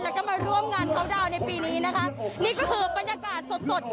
แล้วก็มาร่วมงานเขาดาวน์ในปีนี้นะคะนี่ก็คือบรรยากาศสดสด